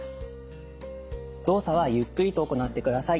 動作はゆっくりと行ってください。